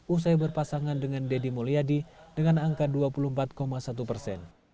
usai berpasangan dengan deddy mulyadi dengan angka dua puluh empat satu persen